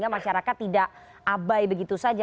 masyarakat tidak abai begitu saja